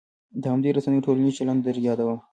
د همدې رسنیو ټولنیز چلن در یادوم.